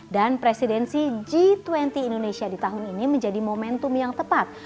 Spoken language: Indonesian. dan presidensi g dua puluh indonesia di tahun ini menjadi momentum yang tepat